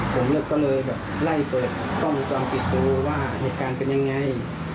ผมก็เลยแบบไล่เปิดกล้องวงจรปิดดูว่าเหตุการณ์เป็นยังไง